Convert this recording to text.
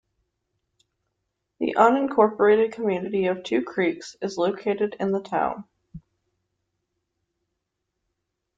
The unincorporated community of Two Creeks is located in the town.